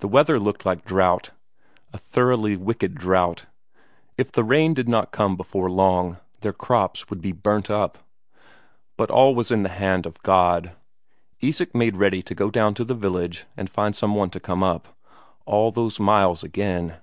The weather looked like drought a thoroughly wicked drought; if the rain did not come before long, their crops would be burnt up. But all was in the hand of God. Isak made ready to go down to the village and find some one to come up. All those miles again!